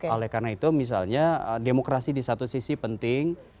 oleh karena itu misalnya demokrasi di satu sisi penting